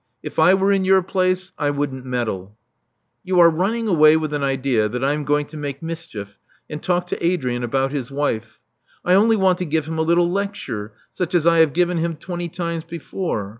If I were in your place, I wouldn't meddle." You are running away with an idea that I am going to make mischief, and talk to Adrian about his wife. I only want to give him a little lecture, such as I have given him twenty times before.